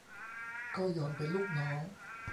ก็ยอมเป็นลูกน้อง